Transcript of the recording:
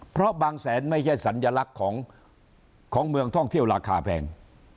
เพราะบางแสนไม่ใช่สัญลักษณ์ของเมืองท่องเที่ยวราคาแพง